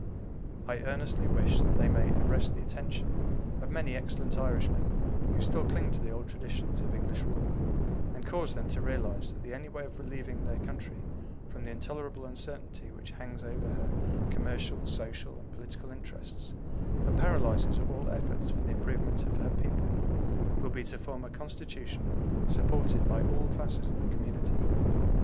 I earnestly wish that they may arrest the attention of many excellent Irishmen who still cling to the old traditions of English rule, and cause them to realize that the only way of relieving their country from the intolerable uncertainty which hangs over her commercial, social, and political interests and paralyzes all efforts for the improvement of her people, will be to form a Constitution supported by all classes of the community.